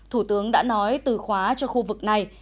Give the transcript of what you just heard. thủ tướng đã nói từ khóa cho khu vực này